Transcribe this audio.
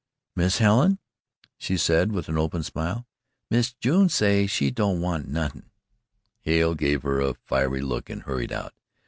"Miss Helen," she said with an open smile, "Miss June say she don't want NUTTIN'." Hale gave her a fiery look and hurried out.